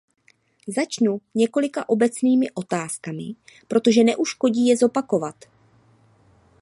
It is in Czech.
Začnu několika obecnými otázkami, protože neuškodí je zopakovat.